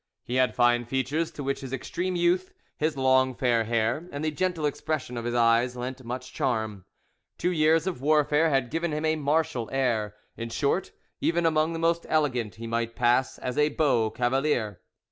He had fine features, to which his extreme youth, his long fair hair, and the gentle expression of his eyes lent much charm. Two years of warfare had given him a martial air; in short, even among the most elegant, he might pass as a beau cavalier.